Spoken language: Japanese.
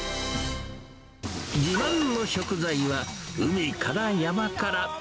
自慢の食材は、海から山から。